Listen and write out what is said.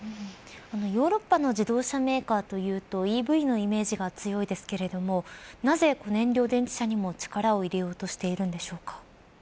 ヨーロッパの自動車メーカーというと、ＥＶのイメージが強いですけれどもなぜ、燃料電池車にも力を入れようとしているんでしょうか。